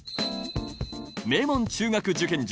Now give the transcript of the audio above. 名門中学受験塾